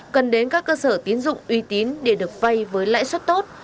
cần đến các cơ sở tín dụng uy tín để được vay với lãi suất tốt